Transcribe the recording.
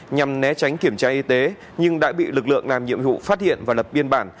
nhằm né tránh kiểm tra y tế nhưng đã bị lực lượng làm nhiệm vụ phát hiện và lập biên bản